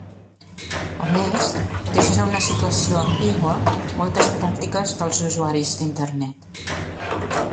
A més, deixa en una situació ambigua moltes pràctiques dels usuaris d'Internet.